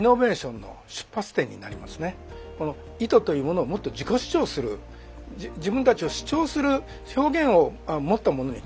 これが糸というものをもっと自己主張する自分たちを主張する表現を持ったものに変えていこうと。